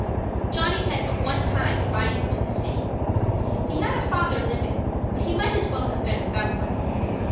Johnny had but one tie to bind him to the city. He had a father living, but he might as well have been without one.